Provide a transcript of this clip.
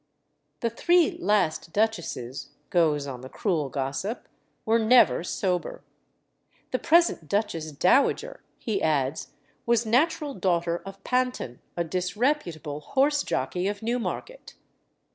"The three last duchesses," goes on the cruel gossip, "were never sober." "The present duchess dowager," he adds, "was natural daughter of Panton, a disreputable horse jockey of Newmarket.